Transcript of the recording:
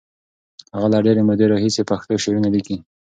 هغه له ډېرې مودې راهیسې پښتو شعرونه لیکي.